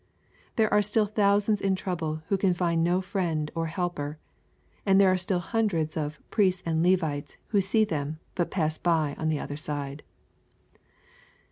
There are still thousands in trouble who can find no friend or helper And there are still hundreds of " priests and Levites" who see them, but " pass by on the other side."